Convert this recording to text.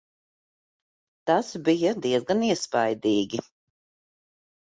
Tas bija diezgan iespaidīgi.